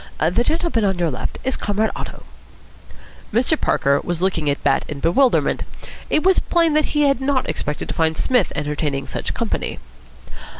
The gentleman on your left is Comrade Otto." Mr. Parker was looking at Bat in bewilderment. It was plain that he had not expected to find Psmith entertaining such company.